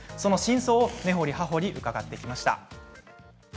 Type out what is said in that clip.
その真相を根掘り葉掘り伺ってきました。